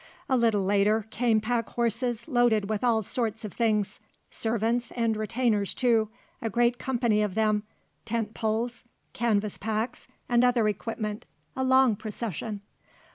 A little later came pack horses loaded with all sorts of things; servants and retainers, too, a great company of them, tent poles, canvas packs and other equipment, a long procession.